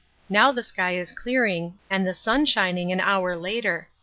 Now the sky is clearing and the sun shining an hour later.